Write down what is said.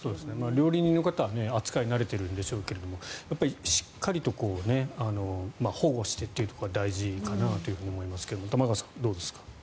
料理人の方は扱いに慣れているんでしょうけどしっかりと保護してというところは大事かなと思いますが玉川さん、どうですか。